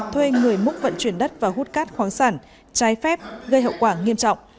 thuê người múc vận chuyển đất và hút cát khoáng sản trái phép gây hậu quả nghiêm trọng